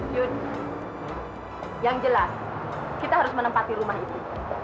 yun yang jelas kita harus menempati rumah itu